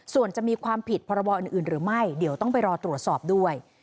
ส่วนจะมีความผิดพรบอื่นหรือไม่เดี๋ยวต้องไปรอตรวจสอบด้วย